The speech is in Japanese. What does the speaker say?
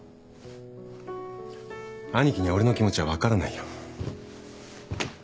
兄貴には俺の気持ちは分からないよ。